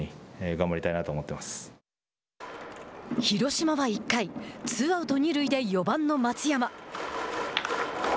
広島は１回、ツーアウト二塁で４番の松山。